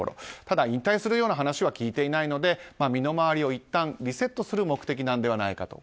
ただ引退するような話は聞いていないので身の回りをいったんリセットする目的なのではないか。